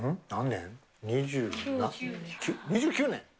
２９年。